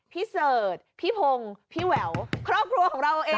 เสิร์ชพี่พงศ์พี่แหววครอบครัวของเราเอง